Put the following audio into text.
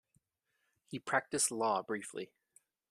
He practiced law briefly.